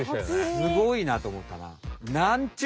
すごいなとおもったな。